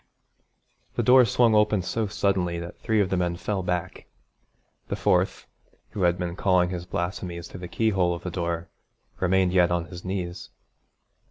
The door swung open so suddenly that three of the men fell back. The fourth, who had been calling his blasphemies through the keyhole of the door, remained yet on his knees.